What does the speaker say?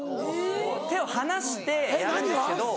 手をはなしてやるんですけど。